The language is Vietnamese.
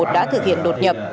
đã thực hiện đột nhập